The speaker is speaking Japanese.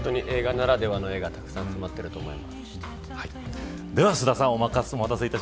本当に映画ならではの風景が詰まっていると思います。